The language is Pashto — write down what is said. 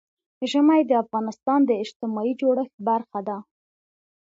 ژمی د افغانستان د اجتماعي جوړښت برخه ده.